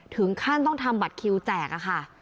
ถึงขั้นต้องทำบัตรคิวแจกค่ะ